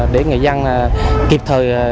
để người dân có thể tìm hiểu về tội phạm truy nã